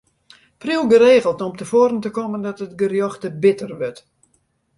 Priuw geregeld om te foaren te kommen dat it gerjocht te bitter wurdt.